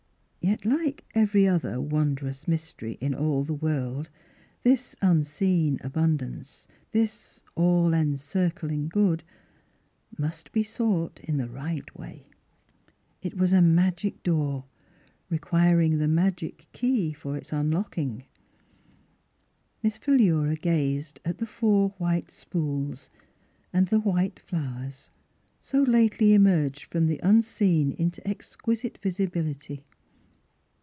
" Yet like every other wondrous mystery in all the world this unseen Abundance — this All encircling Good — must be sought in the one right way. It was a magic Miss Philura's Wedding Gown door, requiring the magic key for its un locking. Miss Philura gazed at the four white spools, and the white flowers, so lately emerged from the Unseen into exquisite visibility.